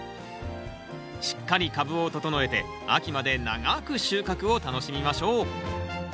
しっかり株を整えて秋まで長く収穫を楽しみましょう。